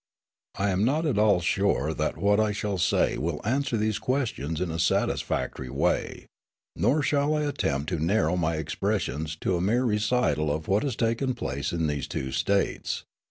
I am not at all sure that what I shall say will answer these questions in a satisfactory way, nor shall I attempt to narrow my expressions to a mere recital of what has taken place in these two States.